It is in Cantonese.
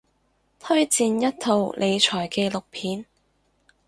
推薦一套理財紀錄片